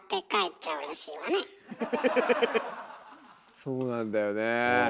そうなんだよねえ。